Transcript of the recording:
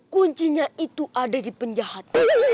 kuncinya itu ada di penjahat